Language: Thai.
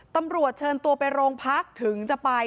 ตำรวจเชิญตัวไปโรงพักถึงจะไป